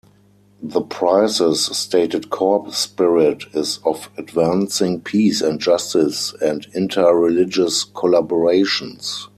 The Prize's stated core spirit is of advancing peace and justice and inter-religious collaborations.